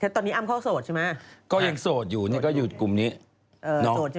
ตอนนี้อ้ำเขาโสดใช่ไหมก็ยังโสดอยู่นี่ก็หยุดกลุ่มนี้